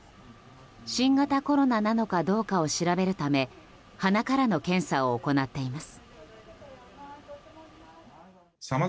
新型コロナなのかどうかを調べるため鼻からの検査を行っています。